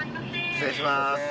失礼します。